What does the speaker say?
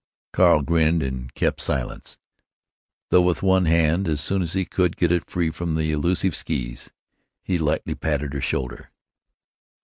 Carl grinned and kept silence, though with one hand, as soon as he could get it free from the elusive skees, he lightly patted her shoulder.